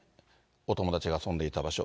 お友達が遊んでいた場所。